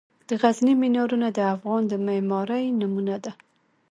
د غزني مینارونه د افغان د معمارۍ نمونه دي.